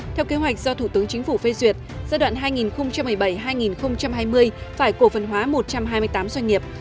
theo kế hoạch do thủ tướng chính phủ phê duyệt giai đoạn hai nghìn một mươi bảy hai nghìn hai mươi phải cổ phần hóa một trăm hai mươi tám doanh nghiệp